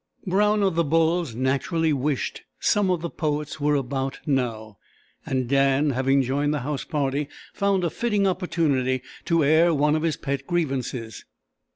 Brown of the Bulls naturally wished "some of the poets were about now," and Dan, having joined the house party, found a fitting opportunity to air one of his pet grievances.